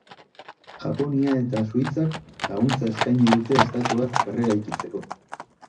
Japonia eta Suitzak laguntza eskaini dute estatuak berreraikitzeko.